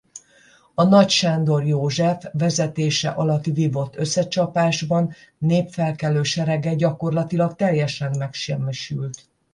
A Nagysándor József vezetése alatt vívott összecsapásban népfelkelő serege gyakorlatilag teljesen megsemmisült.